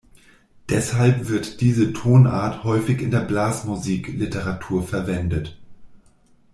Deshalb wird diese Tonart häufig in der Blasmusik-Literatur verwendet.